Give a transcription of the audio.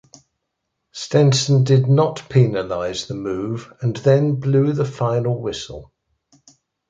Stenson did not penalise the move and then blew the final whistle.